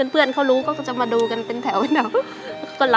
เพื่อนเขารู้ก็จะมาดูกันเป็นแถว